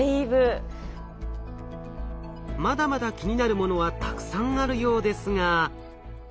まだまだ気になるものはたくさんあるようですが。